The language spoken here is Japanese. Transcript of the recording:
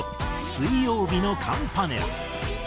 水曜日のカンパネラ。